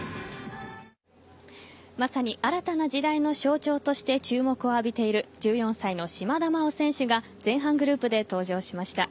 まさに新たな時代の象徴として注目を浴びている１４歳の島田麻央選手が前半グループで登場しました。